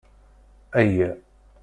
Ayya!